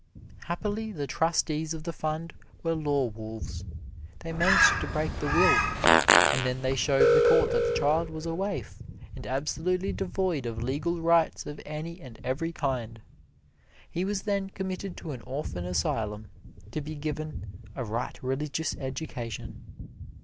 Happily, the trustees of the fund were law wolves. They managed to break the will, and then they showed the court that the child was a waif, and absolutely devoid of legal rights of any and every kind. He was then committed to an orphan asylum to be given "a right religious education."